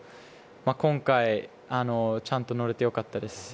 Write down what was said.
今回、ちゃんと乗れて良かったです。